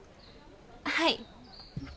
はい。